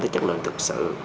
tới chất lượng thực sự